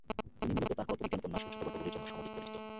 তিনি মূলত তাঁর কল্পবিজ্ঞান উপন্যাস ও ছোটোগল্পগুলির জন্য সমধিক পরিচিত।